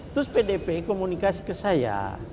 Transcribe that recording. terus pdp komunikasi ke saya